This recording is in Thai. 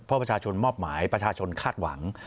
เพราะประชาชนมอบหมายประชาชนคาดหวัง